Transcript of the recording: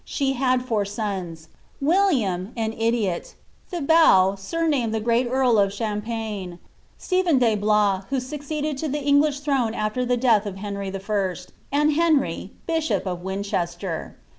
She had four sons : William, an idiot ; Thibaul. suraamed the erent earl of Cliampaigne; Stephen dc Blois, who succeeded to tha EnglisR throne after the death of Henry I.; and Henry, bishop of Win chesier.